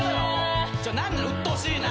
うっとうしいな！